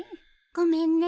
ごめんね。